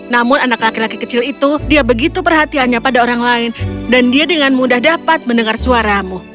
namun anak laki laki kecil itu dia begitu perhatiannya pada orang lain dan dia dengan mudah dapat mendengar suaramu